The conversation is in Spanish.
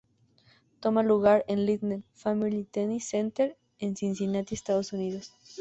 Toma lugar en Lindner Family Tennis Center en Cincinnati, Estados Unidos.